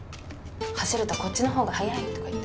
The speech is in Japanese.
走るとこっちの方が速いとか言って。